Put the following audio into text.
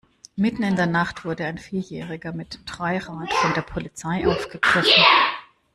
Mitten in der Nacht wurde ein Vierjähriger mit Dreirad von der Polizei aufgegriffen.